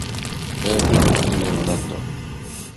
Ar tikkelt-nniḍen a Tom.